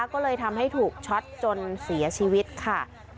ก็เลยทำให้ถูกช็อตจนเสียชีวิตค่ะ